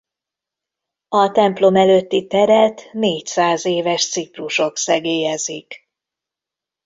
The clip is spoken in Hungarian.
A templom előtti teret négyszáz éves ciprusok szegélyezik.